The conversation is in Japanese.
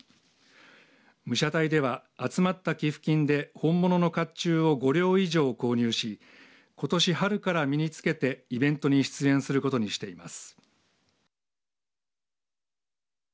武者隊では、集まった寄付金で本物のかっちゅうを５領以上購入しことし春から身につけてイベントに出演することにしています。